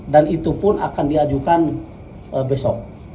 dan itu pun akan diajukan besok